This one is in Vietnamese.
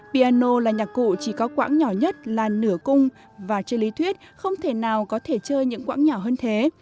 piano là nhạc cụ chỉ có quãng nhỏ nhất là nửa cung và chơi lý thuyết không thể nào có thể chơi những quãng nhỏ hơn thế